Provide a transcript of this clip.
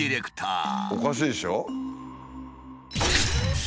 おかしいでしょ。